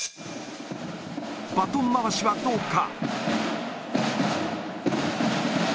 バトン回しはどうか。